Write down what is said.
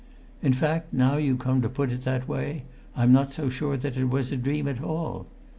"In fact, now you come to put it that way, I'm not so sure that it was a dream at all.